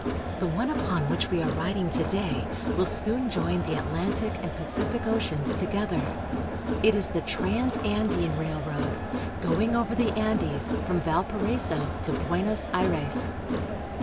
The one upon which we are riding to day will soon join the Atlantic and Pacific oceans together. It is the Transandine Railroad, going over the Andes from Valparaiso to Buenos Aires.